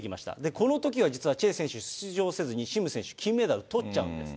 このときは実はチェ選手出場せずに、シム選手、金メダルとっちゃうんです。